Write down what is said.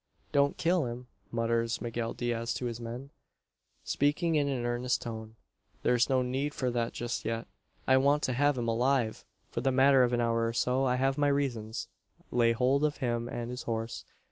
"Don't kill him!" mutters Miguel Diaz to his men, speaking in an earnest tone. "There's no need for that just yet. I want to have him alive for the matter of an hour or so. I have my reasons. Lay hold of him and his horse.